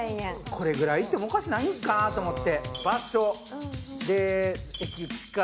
これくらいいってもおかしないんかなと思って。